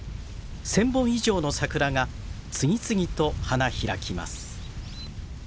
１，０００本以上の桜が次々と花開きます。